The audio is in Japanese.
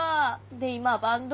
で今はバンド？